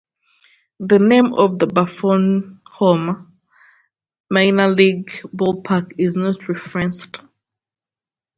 The name of the Bluffton home minor league ballpark is not referenced.